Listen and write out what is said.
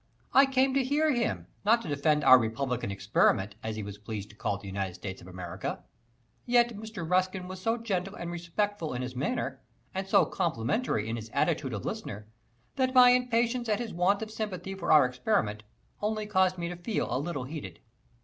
I came to hear him, not to defend our "republican experiment," as he was pleased to call the United States of America. Yet Mr. Ruskin was so gentle and respectful in his manner, and so complimentary in his attitude of listener, that my impatience at his want of sympathy for our "experiment" only caused me to feel a little heated.